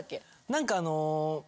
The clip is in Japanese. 何かあの。